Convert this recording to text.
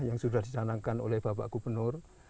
yang sudah dicanangkan oleh bapak gubernur